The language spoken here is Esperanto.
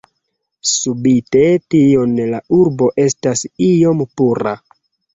Spite tion la urbo estas iom pura.